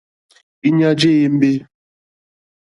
Íɲá jé ěmbé.